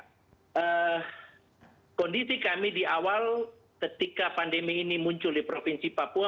jadi kondisi kami di awal ketika pandemi ini muncul di provinsi papua